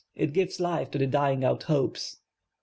It gives life to the dying out hopes.